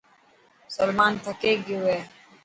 سلمان ٿڪي گيو هي.